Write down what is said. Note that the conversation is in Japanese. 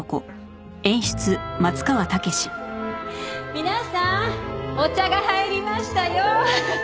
皆さんお茶が入りましたよ。